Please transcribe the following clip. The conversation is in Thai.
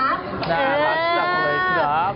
น่ารักจังเลยครับ